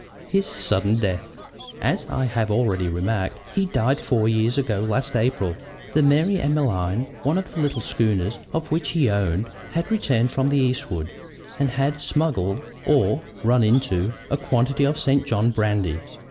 HIS SUDDEN DEATH "As I have already remarked, he died four years ago last April. The Mary Emmeline, one of the little schooners in which he owned, had returned from the eastward, and had smuggled, or 'run in' a quantity of St. John brandy.